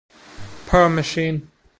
Purr Machine